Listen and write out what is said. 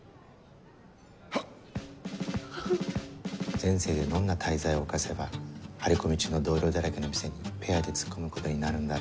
前世でどんな大罪を犯せば張り込み中の同僚だらけの店にペアで突っ込むことになるんだろう。